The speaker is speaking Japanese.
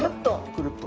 くるっと。